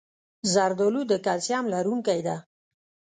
زردالو د کلسیم لرونکی ده.